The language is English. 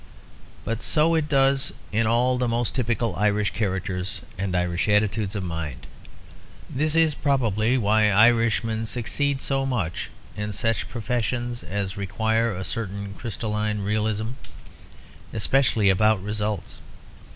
But so it does in all the most typical Irish characters and Irish attitudes of mind. This is probably why Irishmen succeed so much in such professions as require a certain crystalline realism, especially about results.